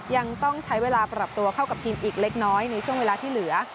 ยังต้องใช้เวลาปรับตัวเข้ากับทีมอีกเล็กน้อยในช่วงเวลาที่เหลือ